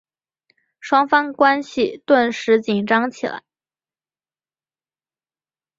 双方关系顿时紧张起来。